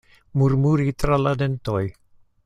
Murmuri tra la dentoj.